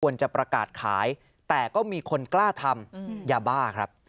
บรรกาลจะประกาศขายแต่ก็มีคนกล้าทำยาบ้า